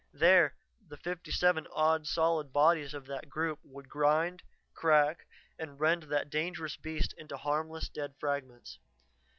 There the fifty seven odd solid bodies of that group would grind, crack, and rend that dangerous beast into harmless, dead fragments.